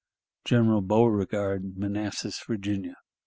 "General Beauregard, Manassas, Virginia.